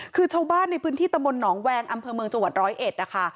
คือชาวบ้านในพื้นที่ตำบลหนองแวงอำเภอเมืองจังหวัดร้อยเอ็ดนะคะ